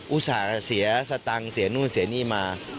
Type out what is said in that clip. อุตส่าห์เสียสตังค์เสียนู่นเสียนี่มา